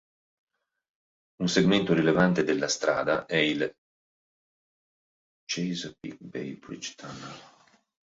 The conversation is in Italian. Un segmento rilevante della strada è il Chesapeake Bay Bridge-Tunnel in Virginia.